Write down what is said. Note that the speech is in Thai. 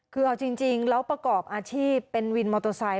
คือเอาจริงแล้วประกอบอาชีพเป็นวินมอเตอร์ไซค